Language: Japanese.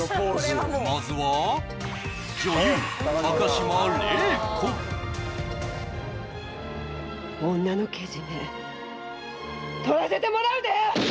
まずは女のけじめとらせてもらうで！